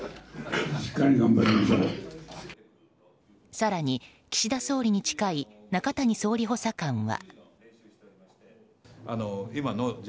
更に、岸田総理に近い中谷総理補佐官は。